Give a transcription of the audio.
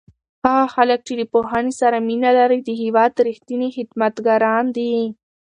هغه خلک چې له پوهنې سره مینه لري د هېواد رښتیني خدمتګاران دي.